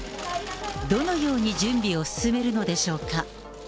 どのように準備を進めるのでしょうか。